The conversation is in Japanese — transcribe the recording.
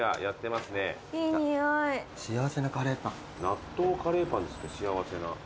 納豆カレーパンですってしあわせな。